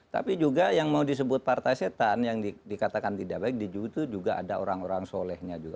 tapi juga yang mau disebut partai setan yang dikatakan tidak baik di jawa itu juga ada orang orang solehnya juga